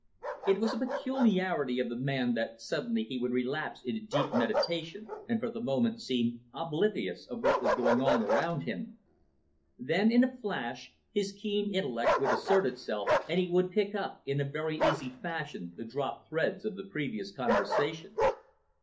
It was a peculiarity of the man that suddenly he would relapse into deep meditation, and for the moment seem oblivious of what was going on around him. Then, in a flash, his keen intellect would assert itself, and he would pick up, in a very easy fashion the dropped threads of the previous conversation.